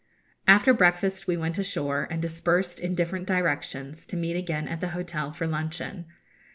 After breakfast we went ashore, and dispersed in different directions, to meet again at the hotel for luncheon.